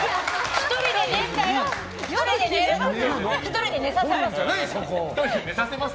１人で寝させます。